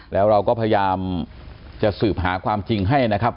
แล้วเราก็พยายามจะสืบหาความจริงให้นะครับ